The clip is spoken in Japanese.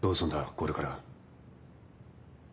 これから。